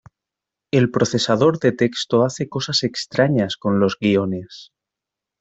El procesador de texto hace cosas extrañas con los guiones.